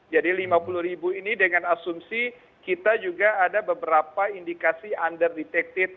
jadi lima puluh ribu ini dengan asumsi kita juga ada beberapa indikasi under detected